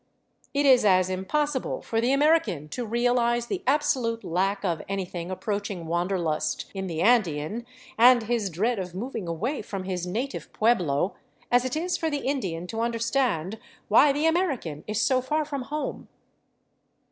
It is as impossible for the American to realize the absolute lack of anything approaching wanderlust in the Andean, and his dread of moving away from his native pueblo, as it is for the Indian to understand why the American is so far from home.